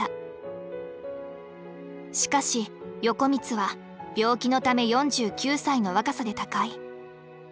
しかし横光は病気のため４９歳の若さで他界。